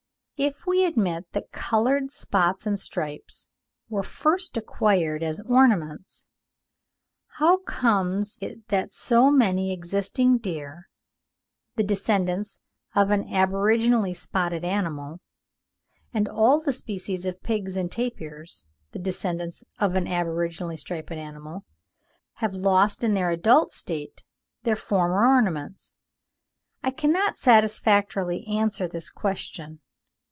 If we admit that coloured spots and stripes were first acquired as ornaments, how comes it that so many existing deer, the descendants of an aboriginally spotted animal, and all the species of pigs and tapirs, the descendants of an aboriginally striped animal, have lost in their adult state their former ornaments? I cannot satisfactorily answer this question.